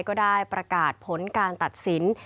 ก็ได้ประกาศผลการตัดสิน